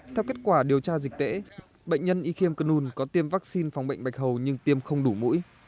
theo kết quả điều tra dịch tễ bệnh nhân y khiêm cân un có tiêm vaccine phòng bệnh bạch hầu nhưng tiêm không đủ mũi